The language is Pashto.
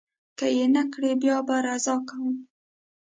که نه یې کړي، بیا به رضا کوم.